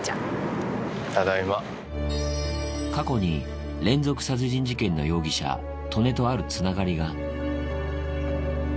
過去に連続殺人事件の容疑者、利根とあるつながりが。